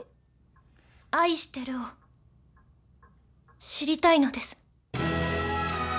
愛してるを知りたいのです！